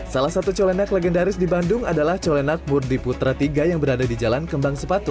salah satu colenak legendaris di bandung adalah colenak burdi putra tiga yang berada di jalan kembang sepatu